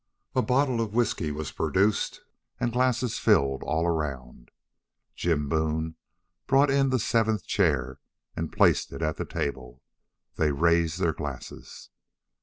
A bottle of whisky was produced and glasses filled all round. Jim Boone brought in the seventh chair and placed it at the table. They raised their glasses.